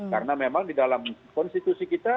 karena memang di dalam konstitusi kita